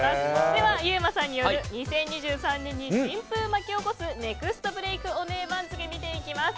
ではユーマさんによる２０２３年に新風を巻き起こすネクストブレークオネエ番付を見ていきます。